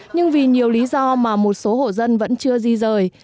nhưng vì nhiều lý do mà một số hộ dân vẫn chưa di rời